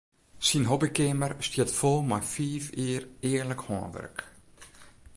Syn hobbykeamer stiet fol mei fiif jier earlik hânwurk.